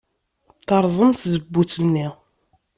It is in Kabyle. Terẓem tzewwut-nni.